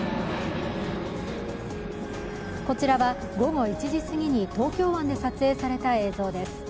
こちらは午後１時すぎに東京湾で撮影された映像です。